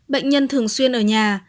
bệnh nhân thường xuyên ở nhà